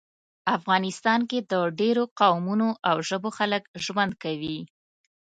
افغانستان کې د ډیرو قومونو او ژبو خلک ژوند کوي